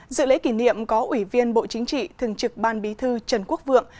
dự lễ kỷ niệm có ủy viên bộ chính trị thường trực ban bí thư trần quốc vượng